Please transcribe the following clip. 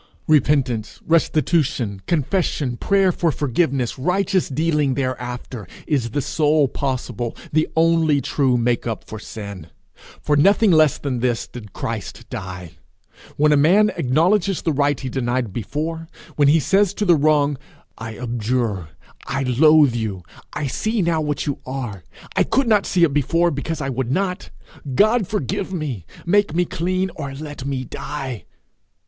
Repentance, restitution, confession, prayer for forgiveness, righteous dealing thereafter, is the sole possible, the only true make up for sin. For nothing less than this did Christ die. When a man acknowledges the right he denied before; when he says to the wrong, 'I abjure, I loathe you; I see now what you are; I could not see it before because I would not; God forgive me; make me clean, or let me die!'